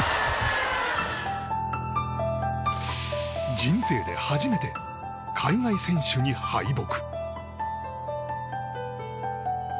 人生で初めて海外選手に敗北。